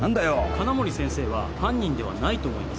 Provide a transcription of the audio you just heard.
金森先生は犯人ではないと思います。